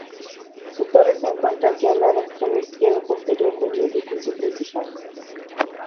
Su torre se encuentra hacia el lado extremo izquierdo posterior del edificio principal.